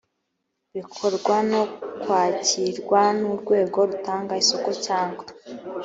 bikorwa no kwakirwa n urwego rutanga isoko cyangwa